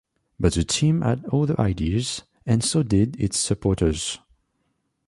But the team had other ideas, and so did its supporters.